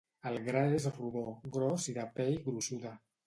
El gra és rodó, gros i de pell gruixuda.